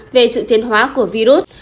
về sự thiên hóa của virus